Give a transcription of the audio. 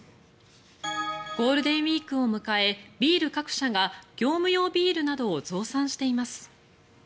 ゴールデンウィークを迎えビール各社が業務用ビールなどを増産しています。